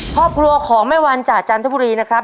ครอบครัวของแม่วันจากจันทบุรีนะครับ